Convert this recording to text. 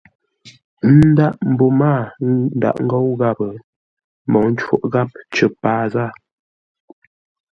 N ndǎghʼ mbô mâa ndǎghʼ ńgóu gháp, mboŋə́ cóʼ gháp cər paa zâa.